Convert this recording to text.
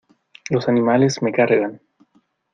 Los animales me cargan.